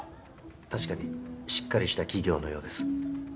確かにしっかりした企業のようです。